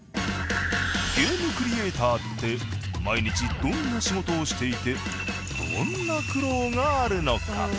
ゲームクリエイターって毎日どんな仕事をしていてどんな苦労があるのか？